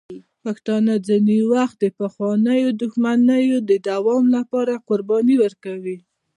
پښتانه ځینې وخت د پخوانیو دښمنیو د دوام لپاره قربانۍ ورکوي.